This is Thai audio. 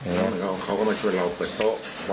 น่ะแล้วเค้าก็มาช่วยเราเปิดโต๊ะ